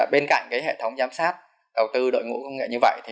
bên cạnh hệ thống giám sát đầu tư đội ngũ công nghệ như vậy